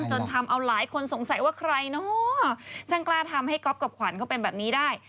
จนทำเอาหลายคนสงสัยว่าใครเนาะช่างกล้าทำให้ก๊อฟกับขวัญเขาเป็นแบบนี้ได้